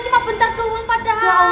cuma bentar dulu padahal